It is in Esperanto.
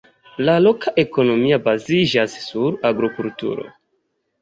La loka ekonomio baziĝas sur agrokulturo.